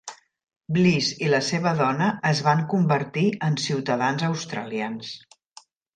Bliss i la seva dona es van convertir en ciutadans australians.